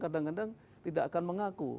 kadang kadang tidak akan mengaku